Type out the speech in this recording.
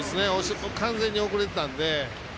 完全に遅れてたので。